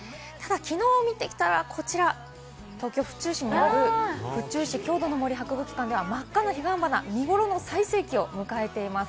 ただ、きのう見てきたら、こちら、東京・府中市にある、府中市郷土の森博物館では真っ赤なヒガンバナ、見頃の最盛期を迎えています。